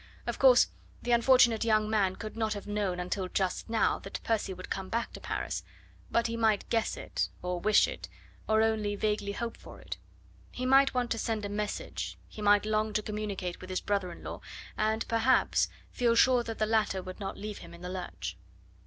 Of course, the unfortunate young man could not have known until just now that Percy would come back to Paris, but he might guess it, or wish it, or only vaguely hope for it; he might want to send a message, he might long to communicate with his brother in law, and, perhaps, feel sure that the latter would not leave him in the lurch.